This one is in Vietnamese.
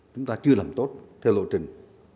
chúng ta chưa làm tốt theo lộ trình